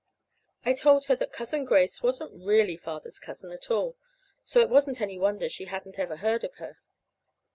I told her that Cousin Grace wasn't really Father's cousin at all, so it wasn't any wonder she hadn't ever heard of her.